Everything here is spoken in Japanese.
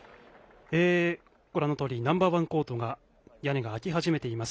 ご覧のとおりナンバー１コートの屋根が開き始めています。